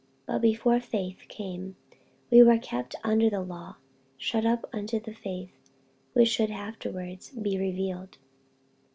48:003:023 But before faith came, we were kept under the law, shut up unto the faith which should afterwards be revealed.